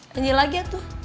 nyanyi lagi atuh